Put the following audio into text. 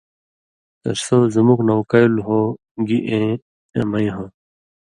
کہ سو زُمُک نہ اُکَیلوۡ ہو گی اېں امَیں ہوں